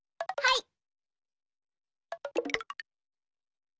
はい。